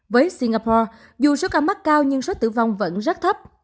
với singapore dù số ca mắc cao nhưng số tử vong vẫn rất thấp